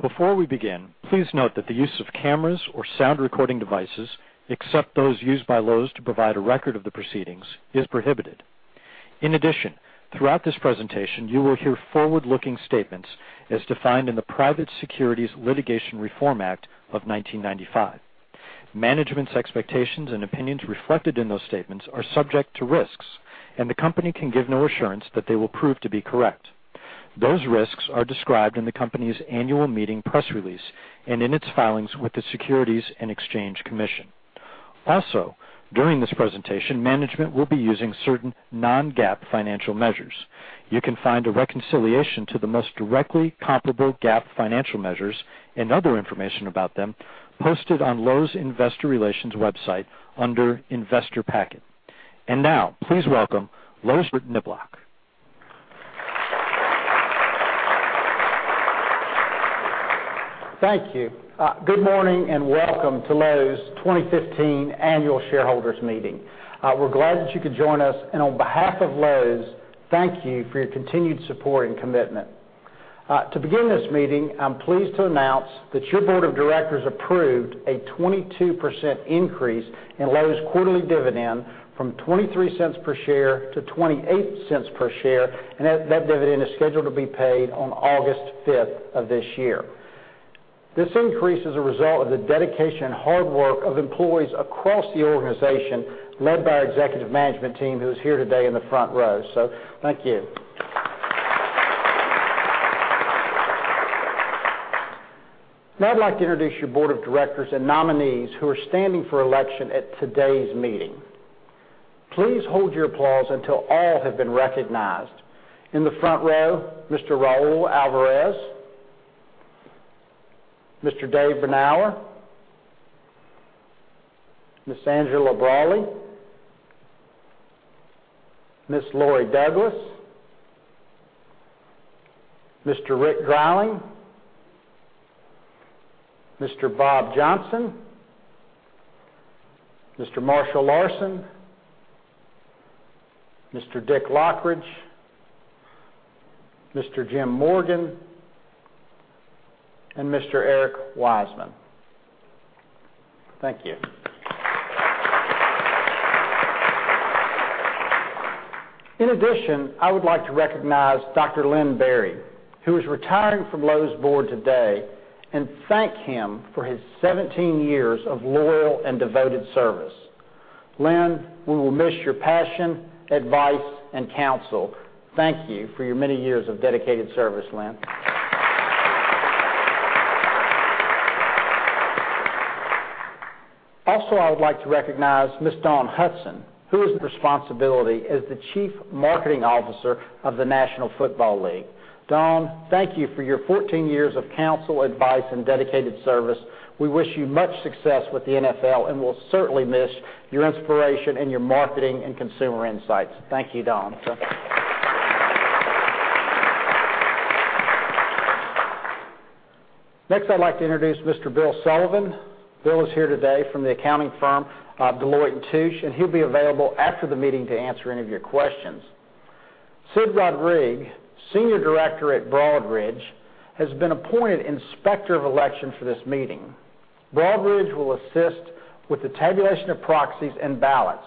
Before we begin, please note that the use of cameras or sound recording devices, except those used by Lowe's to provide a record of the proceedings, is prohibited. In addition, throughout this presentation, you will hear forward-looking statements as defined in the Private Securities Litigation Reform Act of 1995. Management's expectations and opinions reflected in those statements are subject to risks, and the company can give no assurance that they will prove to be correct. Those risks are described in the company's annual meeting press release and in its filings with the Securities and Exchange Commission. Also, during this presentation, management will be using certain non-GAAP financial measures. You can find a reconciliation to the most directly comparable GAAP financial measures and other information about them posted on Lowe's investor relations website under investor packet. Now please welcome Lowe's, Robert Niblock. Thank you. Good morning and welcome to Lowe's 2015 annual shareholders meeting. We're glad that you could join us. On behalf of Lowe's, thank you for your continued support and commitment. To begin this meeting, I'm pleased to announce that your board of directors approved a 22% increase in Lowe's quarterly dividend from $0.23 per share to $0.28 per share, and that dividend is scheduled to be paid on August 5th of this year. This increase is a result of the dedication and hard work of employees across the organization, led by our executive management team, who is here today in the front row. Thank you. I'd like to introduce your board of directors and nominees who are standing for election at today's meeting. Please hold your applause until all have been recognized. In the front row, Mr. Raul Alvarez, Mr. Dave Bernauer, Ms. Angela Braly, Ms. Laurie Douglas, Mr. Rick Dreiling, Mr. Bob Johnson, Mr. Marshall Larsen, Mr. Dick Lochridge, Mr. Jim Morgan, and Mr. Eric Wiseman. Thank you. In addition, I would like to recognize Dr. Len Berry, who is retiring from Lowe's board today, and thank him for his 17 years of loyal and devoted service. Len, we will miss your passion, advice, and counsel. Thank you for your many years of dedicated service, Len. Also, I would like to recognize Ms. Dawn Hudson, who has the responsibility as the Chief Marketing Officer of the National Football League. Dawn, thank you for your 14 years of counsel, advice, and dedicated service. We wish you much success with the NFL, and we'll certainly miss your inspiration and your marketing and consumer insights. Thank you, Dawn. I'd like to introduce Mr. Bill Sullivan. Bill is here today from the accounting firm, Deloitte & Touche, and he'll be available after the meeting to answer any of your questions. Sid Rodrigue, Senior Director at Broadridge, has been appointed Inspector of Election for this meeting. Broadridge will assist with the tabulation of proxies and ballots.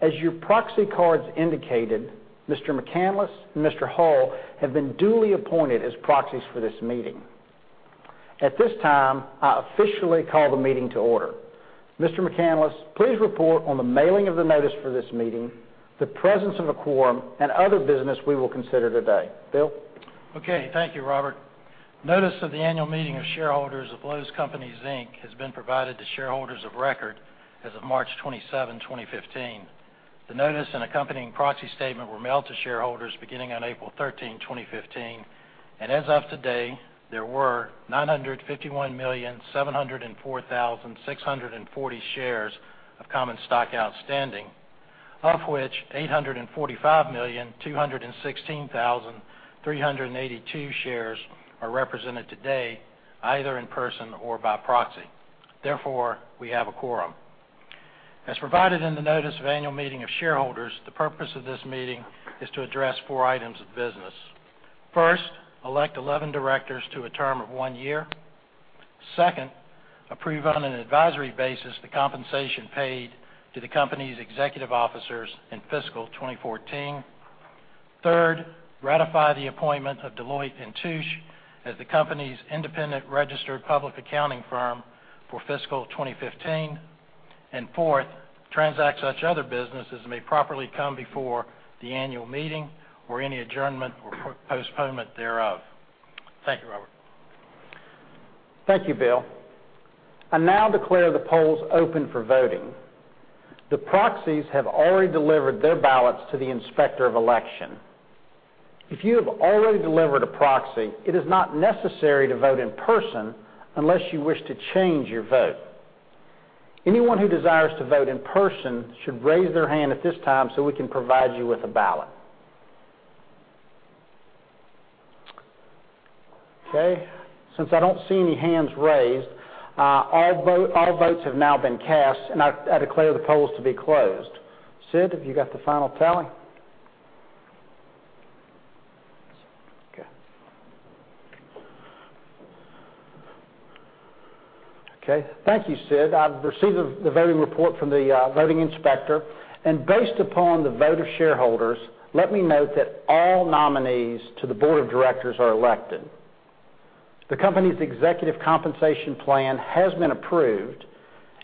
As your proxy cards indicated, Mr. McCanless and Mr. Hull have been duly appointed as proxies for this meeting. At this time, I officially call the meeting to order. Mr. McCanless, please report on the mailing of the notice for this meeting, the presence of a quorum, and other business we will consider today. Bill? Okay. Thank you, Robert. Notice of the annual meeting of shareholders of Lowe's Companies, Inc. has been provided to shareholders of record as of March 27, 2015. The notice and accompanying proxy statement were mailed to shareholders beginning on April 13, 2015. As of today, there were 951,704,640 shares of common stock outstanding. Of which 845,216,382 shares are represented today, either in person or by proxy. Therefore, we have a quorum. As provided in the notice of annual meeting of shareholders, the purpose of this meeting is to address four items of business. First, elect 11 directors to a term of one year. Second, approve on an advisory basis the compensation paid to the company's executive officers in fiscal 2014. Third, ratify the appointment of Deloitte & Touche as the company's independent registered public accounting firm for fiscal 2015. Fourth, transact such other businesses may properly come before the annual meeting or any adjournment or postponement thereof. Thank you, Robert. Thank you, Bill. I now declare the polls open for voting. The proxies have already delivered their ballots to the Inspector of Election. If you have already delivered a proxy, it is not necessary to vote in person unless you wish to change your vote. Anyone who desires to vote in person should raise their hand at this time so we can provide you with a ballot. Okay, since I don't see any hands raised, all votes have now been cast, and I declare the polls to be closed. Sid, have you got the final tally? Okay. Thank you, Sid. I've received the voting report from the voting inspector, and based upon the vote of shareholders, let me note that all nominees to the board of directors are elected. The company's executive compensation plan has been approved,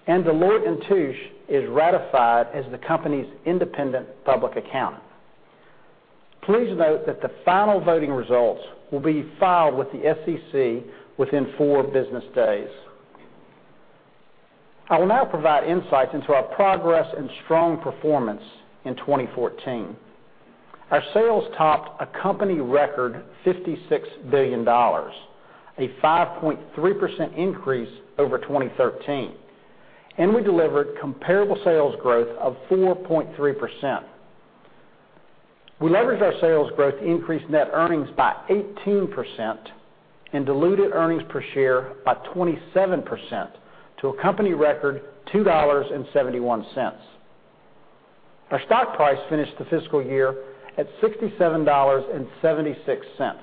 and Deloitte & Touche is ratified as the company's independent public accountant. Please note that the final voting results will be filed with the SEC within four business days. I will now provide insights into our progress and strong performance in 2014. Our sales topped a company record $56 billion, a 5.3% increase over 2013. We delivered comparable sales growth of 4.3%. We leveraged our sales growth to increase net earnings by 18% and diluted earnings per share by 27% to a company record $2.71. Our stock price finished the fiscal year at $67.76,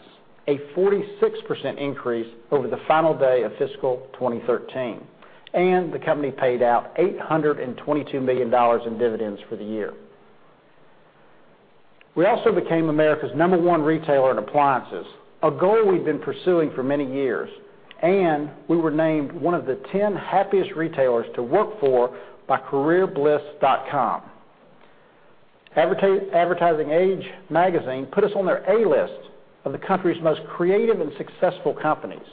a 46% increase over the final day of fiscal 2013. The company paid out $822 million in dividends for the year. We also became America's number one retailer in appliances, a goal we've been pursuing for many years. We were named one of the 10 happiest retailers to work for by CareerBliss. Advertising Age magazine put us on their A list of the country's most creative and successful companies.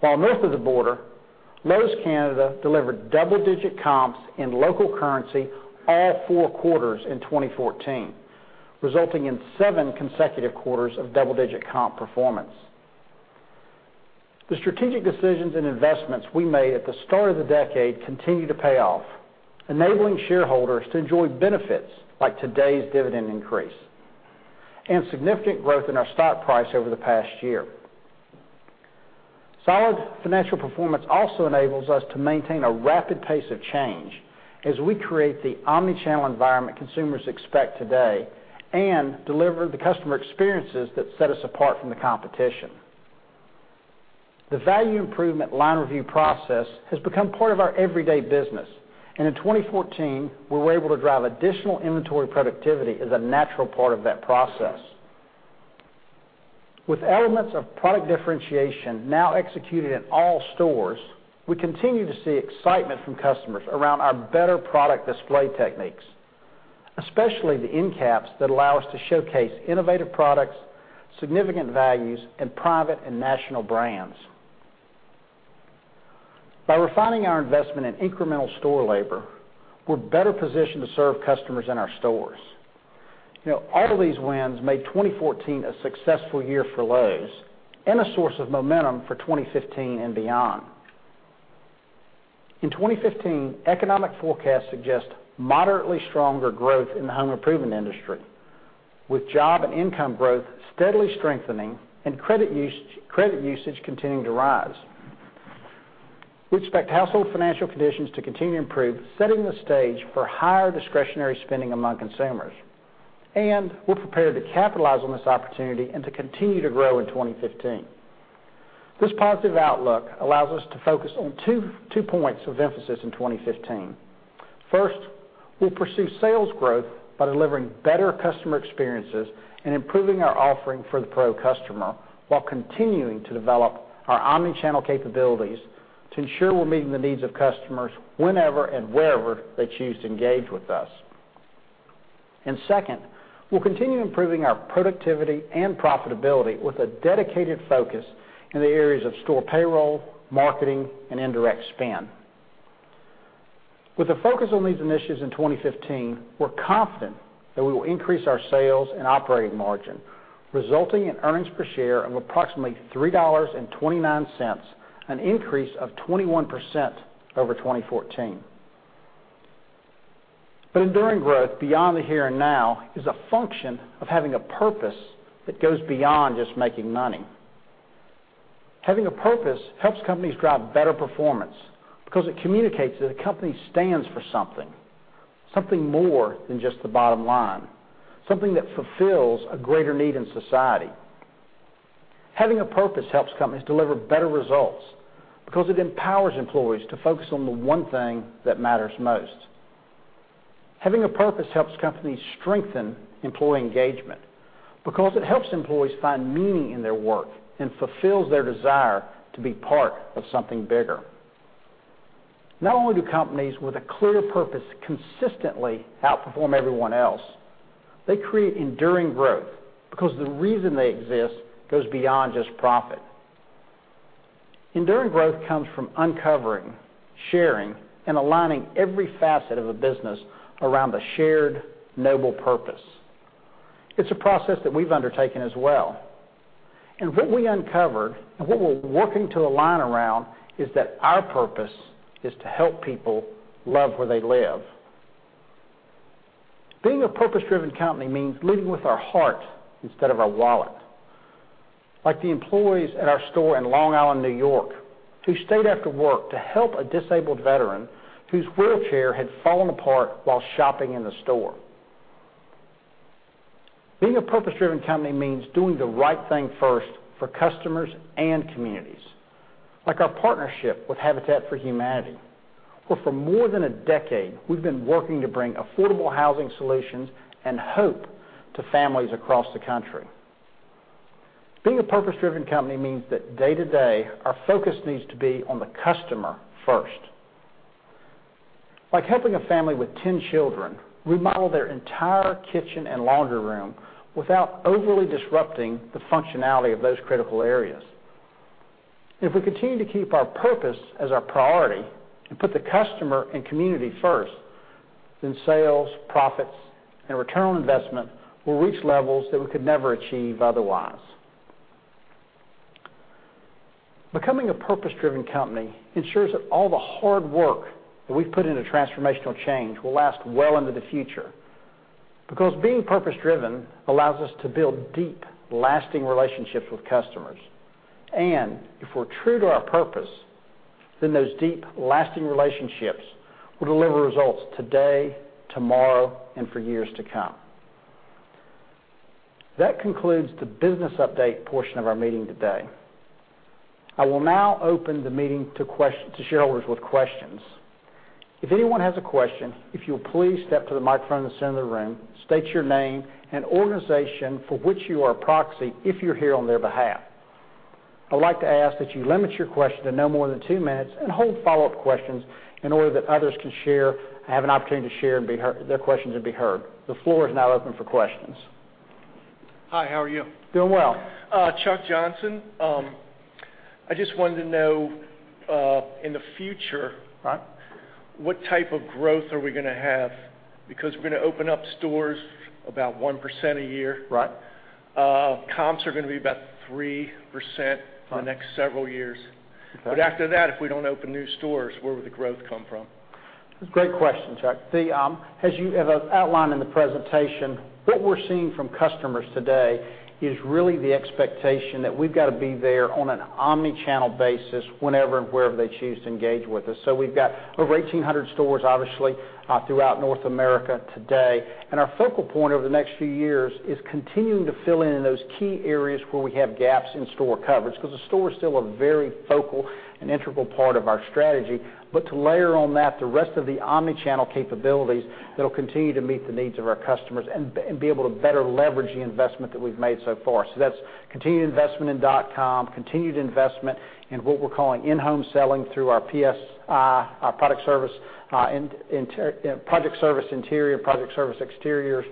While north of the border, Lowe's Canada delivered double-digit comps in local currency all four quarters in 2014, resulting in seven consecutive quarters of double-digit comp performance. The strategic decisions and investments we made at the start of the decade continue to pay off, enabling shareholders to enjoy benefits like today's dividend increase and significant growth in our stock price over the past year. Solid financial performance also enables us to maintain a rapid pace of change as we create the omni-channel environment consumers expect today and deliver the customer experiences that set us apart from the competition. The value improvement line review process has become part of our everyday business. In 2014, we were able to drive additional inventory productivity as a natural part of that process. With elements of product differentiation now executed in all stores, we continue to see excitement from customers around our better product display techniques, especially the end caps that allow us to showcase innovative products, significant values in private and national brands. By refining our investment in incremental store labor, we're better positioned to serve customers in our stores. All of these wins made 2014 a successful year for Lowe's and a source of momentum for 2015 and beyond. In 2015, economic forecasts suggest moderately stronger growth in the home improvement industry, with job and income growth steadily strengthening and credit usage continuing to rise. We expect household financial conditions to continue to improve, setting the stage for higher discretionary spending among consumers. We're prepared to capitalize on this opportunity and to continue to grow in 2015. This positive outlook allows us to focus on two points of emphasis in 2015. First, we'll pursue sales growth by delivering better customer experiences and improving our offering for the pro customer while continuing to develop our omni-channel capabilities to ensure we're meeting the needs of customers whenever and wherever they choose to engage with us. Second, we'll continue improving our productivity and profitability with a dedicated focus in the areas of store payroll, marketing, and indirect spend. With a focus on these initiatives in 2015, we're confident that we will increase our sales and operating margin, resulting in earnings per share of approximately $3.29, an increase of 21% over 2014. Enduring growth beyond the here and now is a function of having a purpose that goes beyond just making money. Having a purpose helps companies drive better performance because it communicates that a company stands for something more than just the bottom line, something that fulfills a greater need in society. Having a purpose helps companies deliver better results because it empowers employees to focus on the one thing that matters most. Having a purpose helps companies strengthen employee engagement because it helps employees find meaning in their work and fulfills their desire to be part of something bigger. Not only do companies with a clear purpose consistently outperform everyone else, they create enduring growth because the reason they exist goes beyond just profit. Enduring growth comes from uncovering, sharing, and aligning every facet of a business around a shared noble purpose. It's a process that we've undertaken as well. What we uncovered and what we're working to align around is that our purpose is to help people love where they live. Being a purpose-driven company means leading with our heart instead of our wallet. Like the employees at our store in Long Island, N.Y., who stayed after work to help a disabled veteran whose wheelchair had fallen apart while shopping in the store. Being a purpose-driven company means doing the right thing first for customers and communities. Like our partnership with Habitat for Humanity, where for more than a decade we've been working to bring affordable housing solutions and hope to families across the country. Being a purpose-driven company means that day-to-day, our focus needs to be on the customer first. Like helping a family with 10 children remodel their entire kitchen and laundry room without overly disrupting the functionality of those critical areas. If we continue to keep our purpose as our priority and put the customer and community first, sales, profits, and return on investment will reach levels that we could never achieve otherwise. Becoming a purpose-driven company ensures that all the hard work that we've put into transformational change will last well into the future. Being purpose-driven allows us to build deep, lasting relationships with customers. If we're true to our purpose, then those deep, lasting relationships will deliver results today, tomorrow, and for years to come. That concludes the business update portion of our meeting today. I will now open the meeting to shareholders with questions. If anyone has a question, if you'll please step to the microphone in the center of the room, state your name and organization for which you are a proxy if you're here on their behalf. I'd like to ask that you limit your question to no more than two minutes and hold follow-up questions in order that others can have an opportunity to share their questions and be heard. The floor is now open for questions. Hi, how are you? Doing well. Chuck Johnson. I just wanted to know, in the future. Right What type of growth are we going to have? We're going to open up stores about 1% a year. Right. Comps are going to be about 3% for the next several years. Okay. After that, if we don't open new stores, where would the growth come from? Great question, Chuck. As you have outlined in the presentation, what we're seeing from customers today is really the expectation that we've got to be there on an omni-channel basis whenever and wherever they choose to engage with us. We've got over 1,800 stores, obviously, throughout North America today. Our focal point over the next few years is continuing to fill in in those key areas where we have gaps in store coverage, because the store is still a very focal and integral part of our strategy. To layer on that, the rest of the omni-channel capabilities that'll continue to meet the needs of our customers and be able to better leverage the investment that we've made so far. That's continued investment in dotcom, continued investment in what we're calling in-home selling through our PSI, our Project Specialist Interiors, Project Specialist Exteriors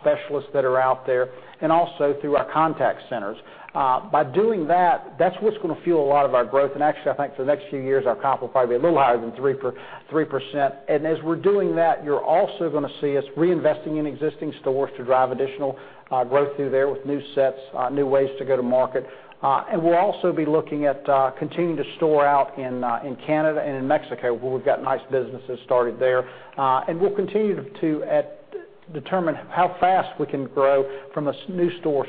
specialists that are out there, and also through our contact centers. By doing that's what's going to fuel a lot of our growth. Actually, I think for the next few years, our comp will probably be a little higher than 3%. As we're doing that, you're also going to see us reinvesting in existing stores to drive additional growth through there with new sets, new ways to go to market. We'll also be looking at continuing to store out in Canada and in Mexico, where we've got nice businesses started there. We'll continue to determine how fast we can grow from a new store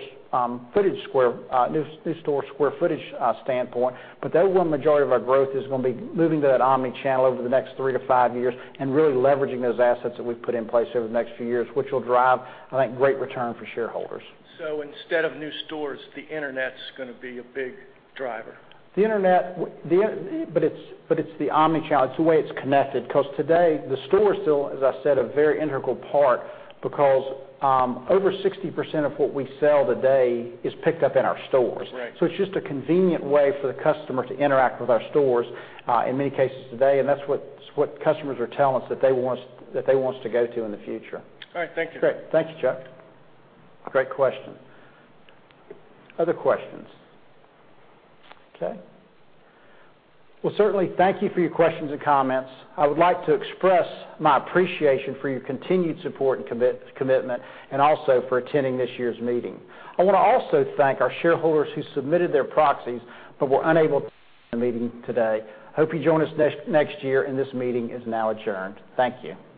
square footage standpoint. The overwhelming majority of our growth is going to be moving to that omni-channel over the next three to five years and really leveraging those assets that we've put in place over the next few years, which will drive, I think, great return for shareholders. Instead of new stores, the internet's going to be a big driver. The internet. It's the omni-channel. It's the way it's connected. Today, the store is still, as I said, a very integral part because over 60% of what we sell today is picked up in our stores. Right. It's just a convenient way for the customer to interact with our stores in many cases today, and that's what customers are telling us that they want us to go to in the future. All right. Thank you. Great. Thank you, Chuck. Great question. Other questions? Well, certainly, thank you for your questions and comments. I would like to express my appreciation for your continued support and commitment and also for attending this year's meeting. I want to also thank our shareholders who submitted their proxies but were unable to make it to the meeting today. Hope you join us next year, and this meeting is now adjourned. Thank you.